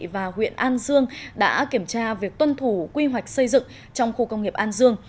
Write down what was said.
và huyện an dương đã kiểm tra việc tuân thủ quy hoạch xây dựng trong khu công nghiệp an dương